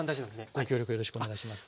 ご協力よろしくお願いします。